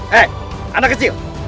hei anak kecil